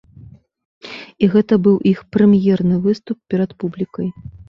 І гэта быў іх прэм'ерны выступ перад публікай.